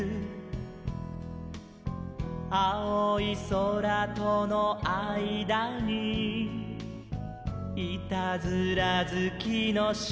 「あおいそらとのあいだにいたずらずきのしろ」